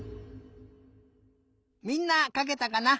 みんなかけたかな？